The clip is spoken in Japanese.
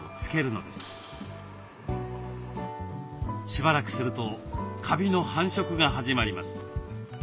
しばらくするとカビの繁殖が始まります。